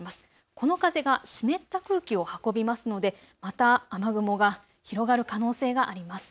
この風が湿った空気を運びますのでまた雨雲が広がる可能性があります。